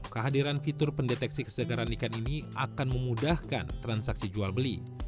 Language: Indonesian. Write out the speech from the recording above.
kehadiran fitur pendeteksi kesegaran ikan ini akan memudahkan transaksi jual beli